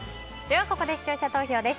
ここで視聴者投票です。